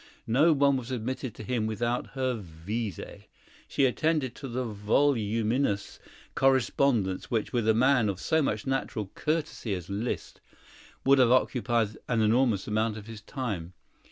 No one was admitted to him without her visé; she attended to the voluminous correspondence which, with a man of so much natural courtesy as Liszt, would have occupied an enormous amount of his time.